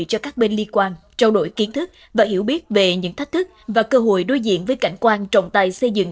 cho các bên liên quan trao đổi kiến thức và hiểu biết về những thách thức và cơ hội đối diện với cảnh quan trọng tài xây dựng